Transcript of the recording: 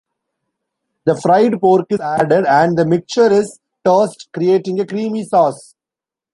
The fried pork is added, and the mixture is tossed, creating a creamy sauce.